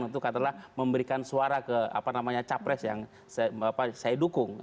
untuk memberikan suara ke capres yang saya dukung